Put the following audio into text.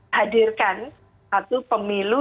hadirkan satu pemilu